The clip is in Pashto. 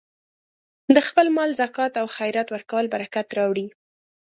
د خپل مال زکات او خیرات ورکول برکت راوړي.